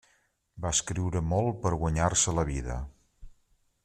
Va escriure molt per guanyar-se la vida.